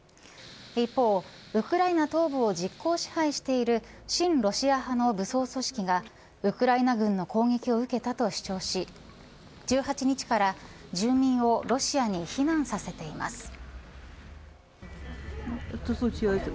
一方ウクライナ東部を実効支配している親ロシア派の武装組織がウクライナ軍の攻撃を受けたと主張し１８日から住民をロシアに避難させています。